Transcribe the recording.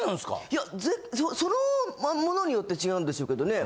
いやそのモノによって違うんでしょうけどね。